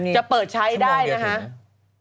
จะเปิดใช้ได้นะครับ